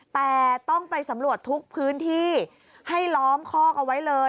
แต่ต้องไปสำรวจทุกพื้นที่ให้ล้อมคอกเอาไว้เลย